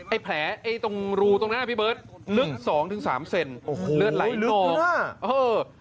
ไอ้แผลไอ้ตรงรูตรงหน้าพี่เบิร์ทลึก๒๓เซนเลือดไหลโกโอ้โหลึกหน้า